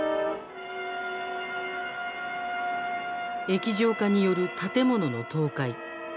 液状化による建物の倒壊。